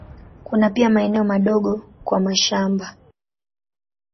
Kuna pia maeneo madogo kwa mashamba.